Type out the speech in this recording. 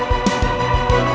kamu demam ya